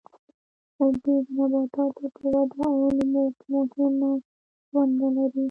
دوی د نباتاتو په وده او نمو کې مهمه ونډه لري.